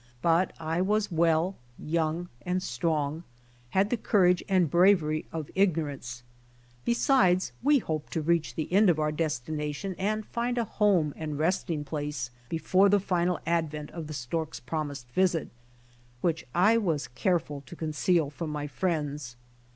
But I was well, young and strong; had the courage and bravery of ignorance, besides, we hoped to reach the end of our destination and find a home and resting place before the final advent of the stork's promised visit, which I was careful to conceal from my friends.